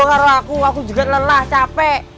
karena aku aku juga lelah capek